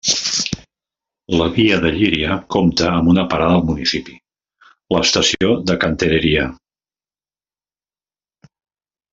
La via de Llíria compta amb una parada al municipi: l'estació de Cantereria.